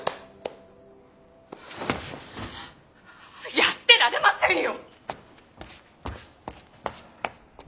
やってられませんよ！